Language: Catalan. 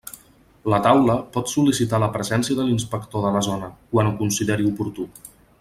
La Taula pot sol·licitar la presència de l'inspector de la zona, quan ho consideri oportú.